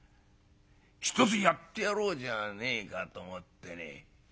ひとつやってやろうじゃねえかと思ってねえ？